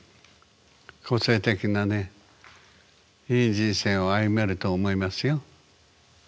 個性的なねいい人生を歩めると思いますよ。